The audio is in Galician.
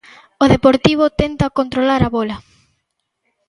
O Deportivo tenta controlar a bola.